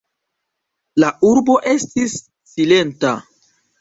La urbo estis silenta.